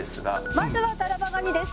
「まずはタラバガニです。